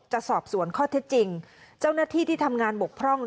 จะสอบสวนข้อเท็จจริงเจ้าหน้าที่ที่ทำงานบกพร่อง